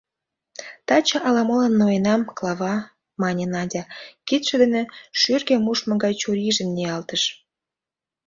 — Таче ала-молан ноенам, Клава, — мане Надя, кидше дене шӱргӧ мушмо гай чурийжым ниялтыш.